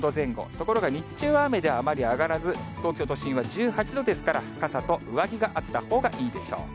ところが日中は雨であまり上がらず、東京都心は１８度ですから、傘と上着があったほうがいいでしょう。